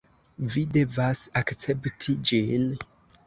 Vi devas akcepti ĝin.